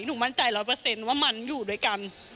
หนูมั่นใจ๑๐๐ว่ามันอยู่ด้วยกัน